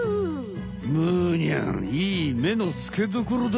むーにゃん！いい目のつけどころだ！